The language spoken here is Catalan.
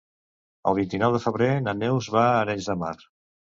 El vint-i-nou de febrer na Neus va a Arenys de Mar.